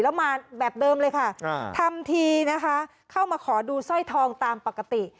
แล้วมาแบบเดิมเลยค่ะทำทีนะคะเข้ามาขอดูสร้อยทองตามปกติ